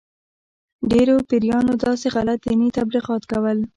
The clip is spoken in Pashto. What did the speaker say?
ډېرو پیرانو داسې غلط دیني تبلیغات کول.